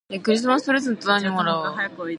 Examples by Schoenberg include "Erwartung".